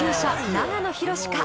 長野博か？